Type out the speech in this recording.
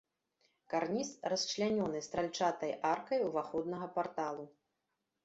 Карніз расчлянёны стральчатай аркай уваходнага парталу.